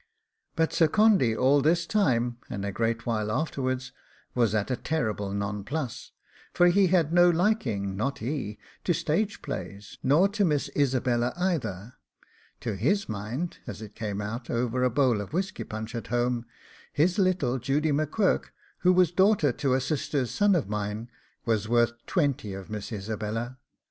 But Sir Condy all this time, and a great while afterwards, was at a terrible nonplus; for he had no liking, not he, to stage plays, nor to Miss Isabella either to his mind, as it came out over a bowl of whisky punch at home, his little Judy M'Quirk, who was daughter to a sister's son of mine, was worth twenty of Miss Isabella.